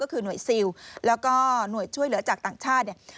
ก็คือหน่วยซิลแล้วก็หน่วยช่วยเหลือจากต่างชาติเนี่ย